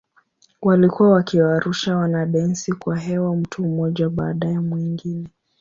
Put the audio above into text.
Walikuwa wakiwarusha wanadensi kwa hewa mtu mmoja baada ya mwingine.